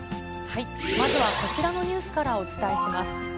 まずはこちらのニュースからお伝えします。